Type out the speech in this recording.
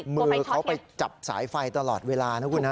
มือเขาไปจับสายไฟตลอดเวลานะคุณนะ